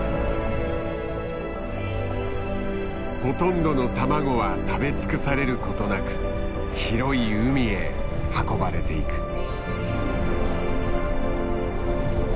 ほとんどの卵は食べ尽くされることなく広い海へ運ばれていく。